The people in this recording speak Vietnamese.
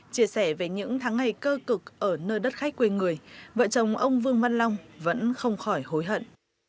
chia sẻ về những tháng ngày cơ cực ở nơi đất khách quê người vợ chồng ông vương văn long vẫn không khỏi hối hận